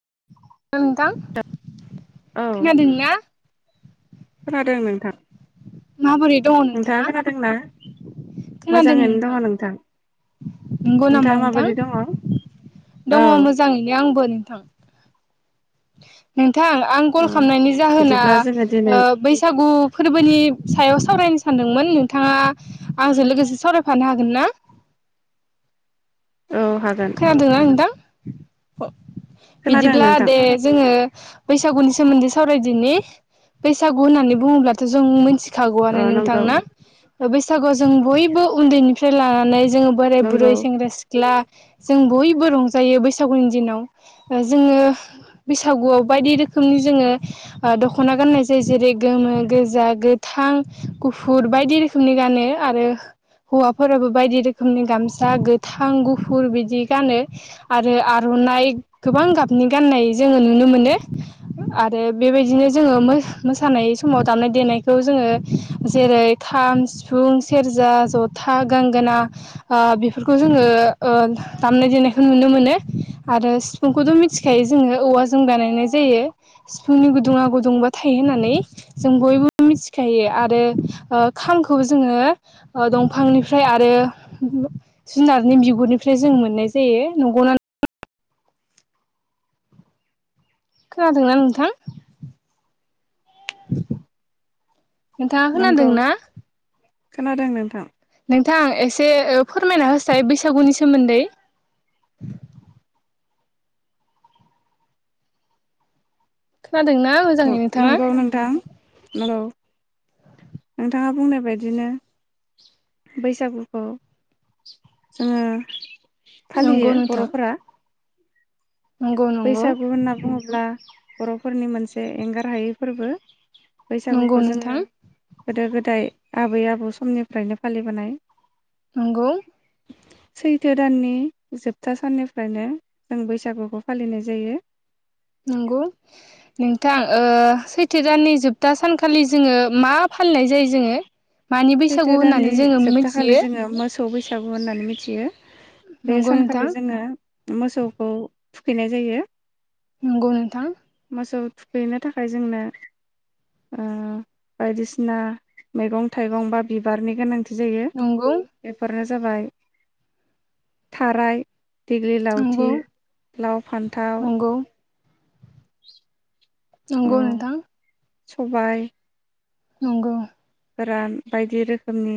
[inaudible] Hello नोंथां औ खोनादोंना खोनादों नोंथां माबोरै दङ नोंथाङा खोनादों मोजाङैनो दङ नोंथां नंगौ नामा नोंथाङा नोंथां माबोरै दङ औ औ दङ मोजाङैनो आंबो नोंथां नोंथां आं कल खालामनायनि जाहोना बिदिब्ला जोङो दिनै बैसागु फोरबोनि सायाव सावरायनो सानदोंमोन नोंथाङा आंजों लोगोसे सावरायफानो हागोन ना। औ हागोन खोनादोंना नोंथां। [inaudible] खोनादों बिदिब्ला नोंथां दे जोङो बैसागुनि सोमोन्दै सावरायदिनि बैसागु होननानै बुङोब्लाथ' जों मिथि खागौआनो अ नंगौ नोंथांना बैसागुआव जों बयबो उन्दैनिफ्राय लानानै जोङो बोराइ नंगौ बुरै सेंग्रा-सिख्ला। जों बयबो रंजायो बैसागुनि दिनाव जोङो बैसागुआव बायदि रोखोमनि जोङो दख'ना गाननाय जायो जेरै गोमो गोजा गोथां गुफुर बायदि रोखोमनि गानो आरो हौवाफोराबो बायदि रोखोमनि गामसा गोथां गुफुर। फुर बिदि गानो आरो आर'नाइ गोबां गाबनि गाननाय जोङो नुनो मोनो। आरो बेबायदिनो जोङो मोसानाय समाव दामनाय देनायखौ जोङो जेरै खाम, सिफुं, सेरजा, जथा गंगोना बेफोरखौ जोङो। दामनाय देनायखौ नुनो मोनो आरो सिफुंखौथ' मिथिखायो जोङो औवाजों बानायनाय जायो सिफुंनि गुदुङा गुदुंबा थायो होननानै जों बयबो मिथिखायो आरो खामखौबो जोङो दंफांनिफ्राय आरो जुनारनि बिगुरनिफ्राय। ओंख्रि जों मोननाय जायो नंगौना? खोनादोंना नोंथां? नोंथाङा खोनादों नंगौ ना? खोनादों नोंथां नोंथां एसे फोरमायना होसाय बैसागुनि सोमोन्दै। खोनादोंना मोजाङै नोंथाङा नंगौ नोंथां औ। नोंथाङा बुंनाय बायदिनो बैसागुखौ जोङो नंगौ फालियो नोंथां बर'फोरा। नंगौ नंगौ बैसागु होनना बुङोब्ला बर'फोरनि मोनसे एंगार हायै फोरबो नंगौ बैसागुखौ नोंथां जोङो गोदो गोदाय आबै आबौ समनिफ्रायनो फालिबोनाय। नोंगौ। सैथो दाननि जोबथा साननिफ्रायनो जों बैसागुखौ फालिनाय जायो नंगौ नोंथां ओ सैथो दाननि जोबथा सानखालि जोङो मा फालिनाय जायो जोङो? मानि बैसागु होननानै जोङो मिथियो खौ बैसागु होननानै मिथियो। बे नंगौ नोंथां सानखालि जोङो मोसौखौ थुखैनाय जायो। नंगौ नोंथा मोसौ थुखैनो थाखाय जोंनो ओ बायदिसिना मैगं था थाइगं बा बिबारनि गोनांथि जायो नंगौ बेफोरनो जाबाय थाराय दिेग्लि नंगौ लावथि लाव फान्थाव नंगौ उम नंगौ नोंथां। सबाय नंगौ गोरान बायदि रोखोमनि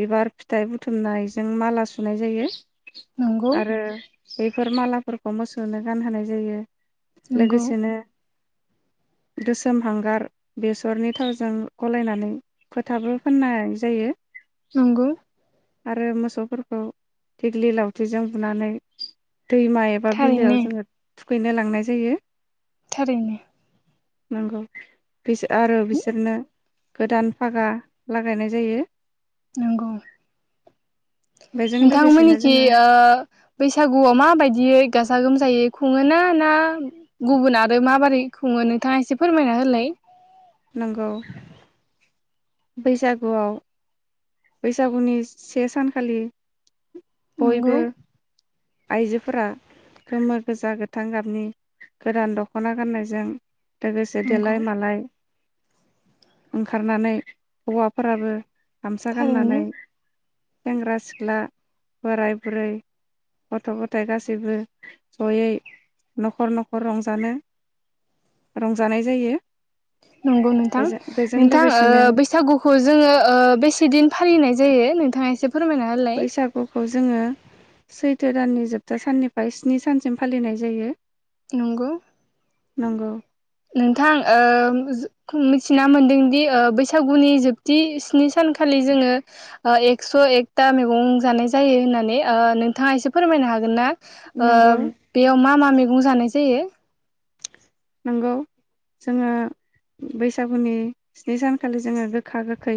बिबार फिथाइ बुथुमनायजों माला सुनाय जायो नंगौ आरो बेफोर मालाफोरखौ मोसौनो गानहोनाय जायो नंगौ लोगोसेनो गोसोम हांगार बेसरनि थावजों गलायनानै फोथाबो फोननाय जायो नंगौ आरो मोसौफोरखौ देग्लि लावथिजों बुनानै दैमा एबा थारैनो बिलोआव जोङो थुखैनो लांनाय जायो। थारैनो। नोंगौ। बिस आरो बिसोरनो गोदान फागा लागायनाय जायो। नोंगौ। बेजों लोगोसेनो नोंथांमोननिखि जोङो ओ बैसागुआव माबायदियै गाजा गोमजायै खुङो ना ना गुबुन आरो माबारै खुङो नोंथाङा एसे फोरमायना होलाय। नोंगौ। बैसागुआव बैसागुनि से सानखालि बयबो नंगौ आइजोफोरा गोमो गोजा गोथां गाबनि गोदान दखना गाननायजों लोगोसे नंगौ देलाय मालाय ओंखारनानै हौवाफोराबो सा थारैनो गाननानै सेंग्रा सिख्ला बोराय बुरै गथ गथाइ गासैबो जयै नखर नखर रंजानो रंजानाय जायो। नंगौ नोंथां बेजों बेजों नोंथां ओ लोगोसेनो बैसागुखौ जोङो ओ बेसेदिन फालिनाय जायो नोंथाङा एसे फोरमायना होलाय। खौ जोङो सैथो दाननि जोबथा साननिफ्राय स्नि सानसिम फालिनाय जायो। नंगौ नोंगौ। नोंथां ओ मिथिना मोनदोंदि ओ बैसागुनि जोबथि स्नि सानखालि जोङो ओ एक्स एकता मैगं जानाय जायो होननानै ओ नोंथाङा एसे फोरमायनो हागोन ना? ओ नंगौ बेयाव मा मा मेगं जानाय जायो नंगौ जोङो बैसागुनि स्नि सानखालि जोङो गोखा गोखै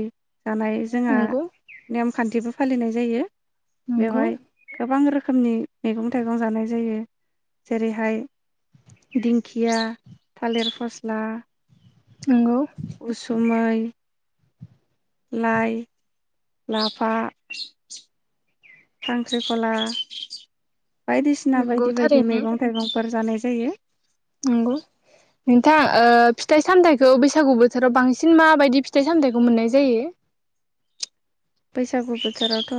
जानाय जोंहा नंगौ नेमखान्थिबो फालिनाय जायो। नंगौ बेवहाय गोबां रो खोमनि मैगं थाइगं जानाय जायो जेरैहाय दिंखिया थालिर फस्ला नंगौ उसुमै [inaudible] लाइ लाफा खांख्रिखला बायदिसिना नंगौ बायदि बायदि थारैनो मैगं थाइगंफोर जानाय जायो नंगौ नोंथां ओ फिथाइ सामथाइखौ बैसागु बोथोराव बांसिन माबायदि फिथाइ सामथाइखौ मोननाय जायो? बैसागु बोथोरावथ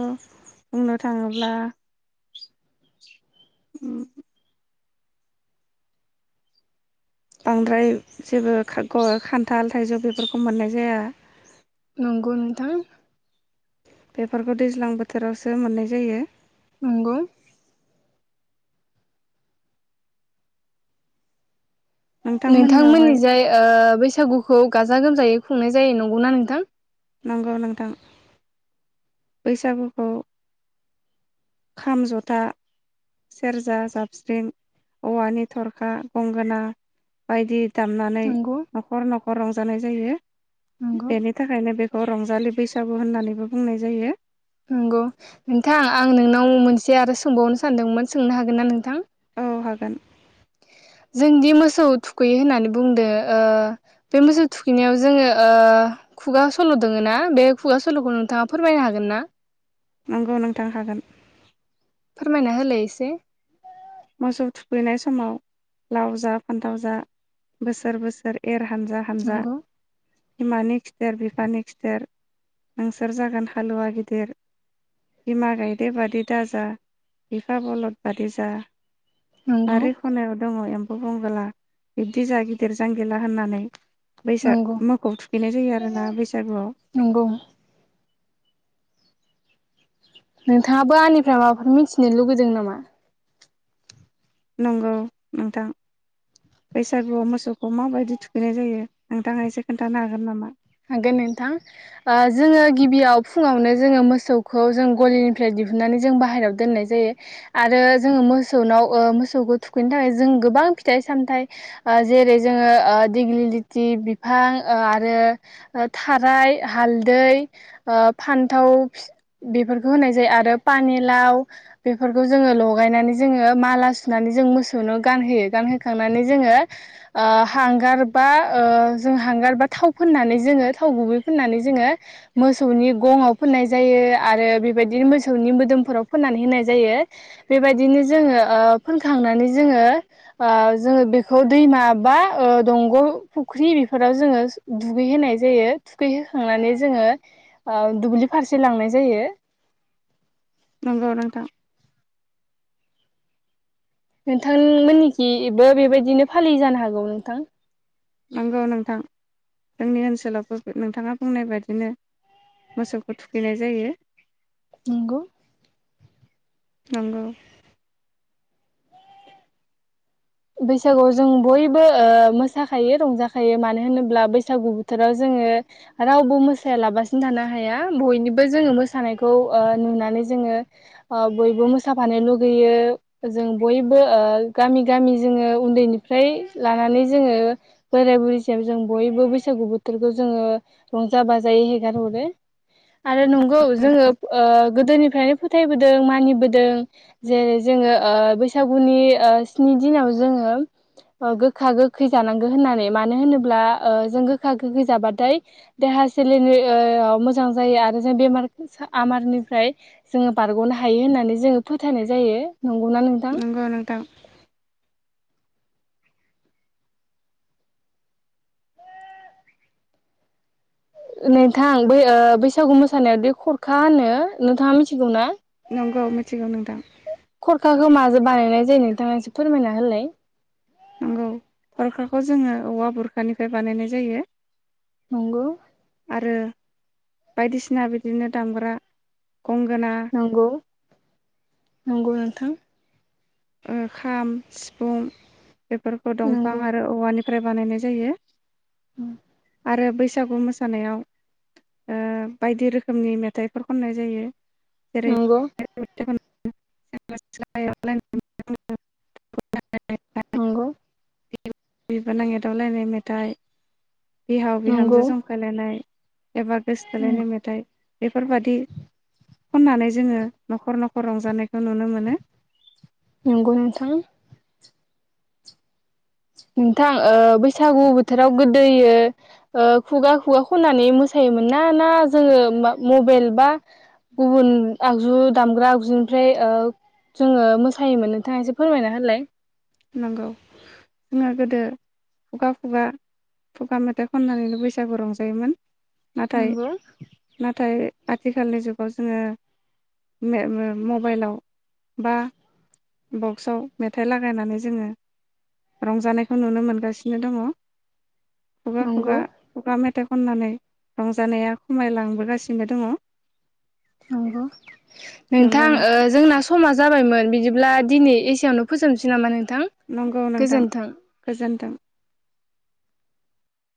बुंनो थाङोब्ला उम बांद्राय जेबो खा ग खान्थाल थाइजौ बेफोरखौ मोननाय जाया। नंगौ नोंथां। बेफोरखौ दैज्लां बोथोरावसो मोननाय जायो। नंगौ। नोंथांमोननियावहाय नोंथांमोननिजाय ओ बैसागुखौ गाजा गोमजायै खुंनाय जायो नंगौना नोंथां? नंगौ नोंथां। बैसागुखौ खाम, जथा, सेरजा, जाबस्रिं औवानि थरखा गंगोना बायदि--। दामनानै नंगौ नखर नखर गरंजानाय जायो। नंगौ बेनि थाखायनो बे अ रंजालि बैसागु होननानैबो बुंनाय--। जोङो। नंगौ नोंथां आं नोंनाव मोनसे आरो सोंबावनो सानदोंमोन सोंनो हागोनना नोंथां? औ हागोन। जोंदि मोसौ थुखैयो होननानै बुंदो ओ बे मोसौ थुखैनायाव जोङो ओ खुगा सल दोङना बे खुगा सलखौ नोंथाङा फोरमायनो हागोन ना? नंगौ नोंथां हागोन। फोरमायना होलाय इसे। मोसौ थुखैनाय समाव लाव जा फान्थाव जा बोसोर बोसोर ए एर हानजा हानजा। नंगौ बिमानि खिथेर बिफानि खिथेर नोंसोर जागोन हालुवा गिदिर बिमा गायदे बादि दाज जा बिफा बलद बादि जा । नंगौ बारि खनायाव दङ एम खौ बुंबोला बिब्दि जा गिदिर जांगिला होननानै। बैसा नंगौ मोखौ थुखैनाय जायो आरोना बैसागुआव। नंगौ नोंथाङाबो आंनिफ्राय माबाफोर मिन्थिनो लुगैदों नामा? नंगौ नोंथां बैसागुआव मोसौखौ माबायदि थुखैनाय जायो नोंथाङा एसे खोन्थानो हागोन नामा? हागोन नोंथां ओ जोङो गिबियाव फुङावनो जोङो मोसौखौ जों गलिनिफ्राय दिहुनन्नानै जों बाहेरायाव दोननाय जायो आरो जोङो मोसौनाव ओ मोसौखौ थुखैनो थाखाय जों गोबां फिथाइ सामथाइ ओ जेरै जोङो ओ दिग्लि लिटि बिफां ओ आरो। थाराय हालदै ओ फान्थाव फि बेफोरखौ होनाय जायो आरो पानेलाव बेफोरखौ जोङो लगायनानै जोङो माला सुनानै जों मोसौनो गानहोयो गानहोखांनानै जोङो ओ हांगार बा ओ जों हांगार बा थाव। फोननानै जोङो थाव गुबै फोननानै जोङो मोसौनि गङाव फोननाय जायो आरो बेबायदि मोसौनि मोदोमफोराव फोननानै होनाय जायो बेबायदिनो जोङो ओ फोनखांनानै जोङो ओ जोङो बेखौ दैमा बा ओ दंग फुख्रि बेफोराव जोङो दुगै होनाय जायो थुखौहीखांनानै जोङो ओ दुब्लि फारसे लांनाय जायो। नंगौ नोंथां। नोंथांमोननिखिबो बेबायदिनो फालिययो जानो हागौ नोंथां। नंगौ नोंथां जोंनि ओनसोलावबो बे नोंथाङा बुंनाय बादिनो मोसौखौ थुखैनाय जायो। नंगौ। नंगौ। बैसागुआव जों बयबो ओ मोसाखायो रंजाखायो मानो होनोब्ला बैसागु बोथोराव जोङो रावबो मोसायालाबासिनो थानो हाया बयनिबो जोङो मोसानायखौ ओ नुनानै जोङो ओ बयबो मोसाफानो लुगैयो जों बयबो ओ गामि गामि जोङो उन्दैनिफ्राय लानानै जोङो बोराय बुरै सिम जों बयबो बैसागु बोथोरखौ जोङो रंजा बाजायै हेगार हरो। आरो नंगौ जोङो ओ। गोदोनिफ्रायनो फोथायबोदों मानिबोदों जेरै जोङो ओ बैसागुनि ओ बिनि दिनाव जोङो ओ गोखा गोखै जानांगौ होननानै ओ मानो होनोब्ला ओ जों गोखा गोखै जाबाथाय देहा सोलेरनि ओ आव मोजां जायो आरो जों बेमार आमारनिफ्राय जोङो बारगनो हायो होननानै जोङो फोथायनाय जायो। नंगौना नोंथां नंगौ नोंथां। नोंथां बै ओ बैसागु मोसानाया दि खरखा होनो नोंथाङा मिथिगौ ना? नंगौ मिथिगौ नों खरखाखौ मा बानायनाय जायो नोंथाङा एसे फोरमायना होलाय। नंगौ थरखाखौ जोङो औवा बुरखानिफ्राय बानायनाय जायो। नंगौ आरो बायदिसिना बिदिनो दामग्रा गंगोना नंगौ नंगौ नोंथां। नोंथां खाम सिफुं बेफोरखौ दंफां नंगौ आरो औवानि औवानिफ्राइ बानायनाय जायो। औ आरो बैसागु मोसानायाव ओ बायदि रोखोमनि मेथाइफोर खननाय जायो। जेरै नंगौ [inaudible] [unintelligible] नंगौ बि बिबोनां एदावलायनाय मेथाइ बिहाव नंगौ बिहामजो जंखायलायनाय एबा नंगौ गोसोथोलायनाय मेथाइ बेफोरबादि खननानै जोङो न'खर न'खर रंजानायखौ नुनो मोनो। नंगौ नोंथां। नोंथां ओ बैसागु बोथोराव गोदोयो ओ खुगा खुगा खननानै मोसायोमोन ना ना जोङो मबाइल बा गुबुन आगजु दामग्रा आगजुनिफ्राय ओ जोङो मोसायोमोन नोंथाङा एसे फोरमायना होनलाय। नंगौ जोङो गोदो खुगा खुगा, खुगा मेथाइ खननानैनो बैसागु रंजायोमोन। नाथाय नंगौ नाथाय आथिखालनि जुगाव जोङो मे-मे-मबाइलाव बा बक्सआव मेथाइ लागायनानै जोङो रंजानायखौ नुनो मोनगासिनो दङ। खुगा नंगौ खुगा खुगा मेथाइ खननानै रंजानाया खमायलांबोगासिनो दङ। नंगौ नोंथां ओ जोंना समा जाबायमोन बिदिब्ला दिनै एसेयावनो फोजोबनोसै नामा नोंथां नंगौ नांथां गोजोन्थों गोजोनथों।